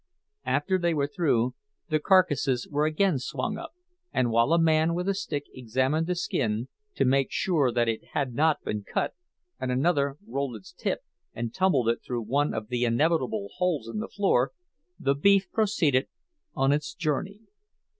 After they were through, the carcass was again swung up; and while a man with a stick examined the skin, to make sure that it had not been cut, and another rolled it up and tumbled it through one of the inevitable holes in the floor, the beef proceeded on its journey.